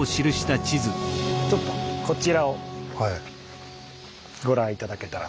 ちょっとこちらをご覧頂けたらと。